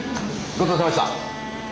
ごちそうさまでした。